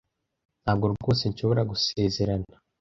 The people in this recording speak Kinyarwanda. Ntabwo rwose nshobora gusezerana.